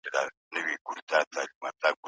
د ارغنداب سیند سیاحتي ارزښت هم لري.